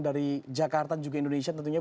dari jakarta juga indonesia tentunya